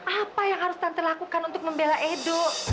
apa yang harus tante lakukan untuk membela edo